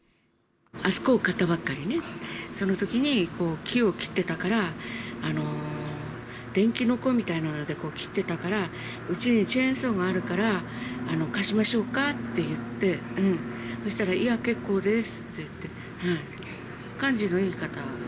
あそこを買ったばっかりね、そのときに木を切ってたから、電気のこみたいなので切ってたから、うちにチェーンソーがあるから、貸しましょうかって言って、そしたら、いや、結構ですって言って、感じのいい方。